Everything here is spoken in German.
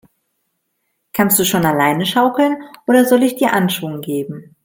Kannst du schon alleine schaukeln, oder soll ich dir Anschwung geben?